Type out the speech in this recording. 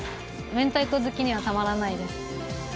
明太子好きにはたまらないです。